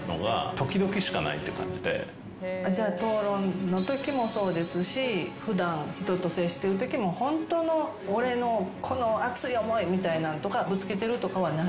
じゃあ討論のときもそうですし普段人と接してるときもホントの俺のこの熱い思いみたいなんとかぶつけてるとかはない？